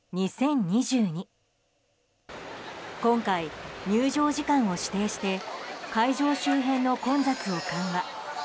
今回、入場時間を指定して会場周辺の混雑を緩和。